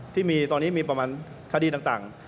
ที่มีตอนนี้มีประมาณคดีต่าง